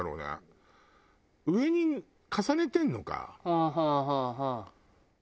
はあはあはあはあ。